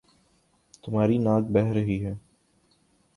تمہاری ناک بہ رہی ہے